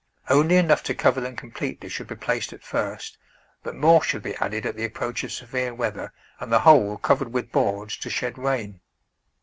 Only enough to cover them completely should be placed at first, but more should be added at the approach of severe weather and the whole covered with boards to shed rain.